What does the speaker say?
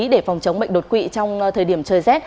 để phòng chống bệnh đột quỵ trong thời điểm trời rét